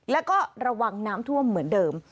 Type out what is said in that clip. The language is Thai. แล้วก็ระวังน้ำท่วมเหมือนเดิม